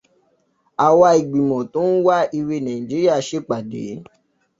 Àwa ìgbìmọ̀ tó ń wá ire Nàíjíríà ṣèpàdé.